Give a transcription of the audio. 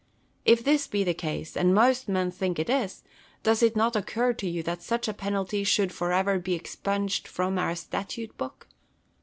If this be the case, and most men think it is, does it not occur to you that such a penalty should for ever be expunged from our statute book?